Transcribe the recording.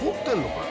これ。